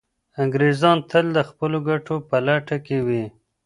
انګریزان تل د خپلو ګټو په لټه کي وي.